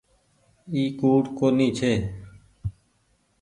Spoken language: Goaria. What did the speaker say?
اي ڪوڙ ڪونيٚ ڇي۔